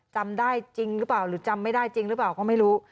จำได้จริงหรือเปล่าหรือจำไม่ได้จริงหรือเปล่าก็ไม่รู้